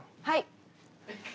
はい。